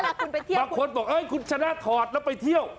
บางคนบอกเอ้ยคุณชนะถอดแล้วไปเที่ยว